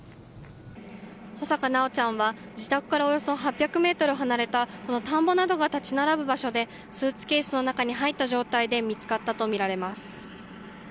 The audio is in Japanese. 穂坂修ちゃんは自宅からおよそ８００ｍ離れたこの田んぼなどが立ち並ぶ場所でスーツケースの中に入った状態で見つかったとみられます。